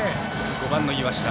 ５番の岩下